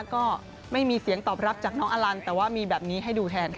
ก็ไม่มีเสียงตอบรับจากน้องอลันแต่ว่ามีแบบนี้ให้ดูแทนค่ะ